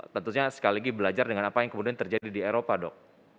tentunya sekali lagi belajar dengan apa yang kemudian terjadi di eropa dok